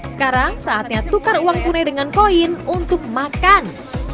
sekarang saatnya tukar uang tunai dengan koin untuk makan